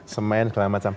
semen segala macam